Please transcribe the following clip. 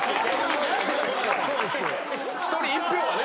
１人１票はね。